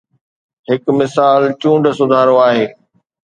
هڪ مثال چونڊ سڌارو آهي.